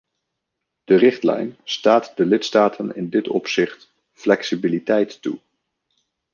De richtlijn staat de lidstaten in dit opzicht flexibiliteit toe.